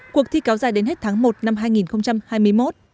cuộc thi kéo dài đến hết tháng một năm hai nghìn hai mươi một